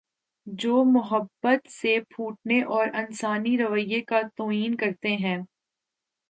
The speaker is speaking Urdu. جومحبت سے پھوٹتے اور انسانی رویے کا تعین کر تے ہیں۔